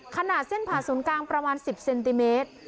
ขนาดเส้นผ่าศูนย์กลางประมาณ๑๐เซนติเมตร